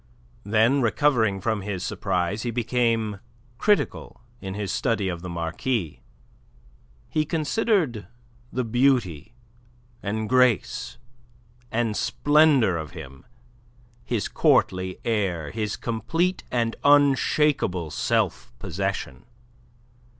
Then recovering from his surprise he became critical in his study of the Marquis. He considered the beauty and grace and splendour of him, his courtly air, his complete and unshakable self possession.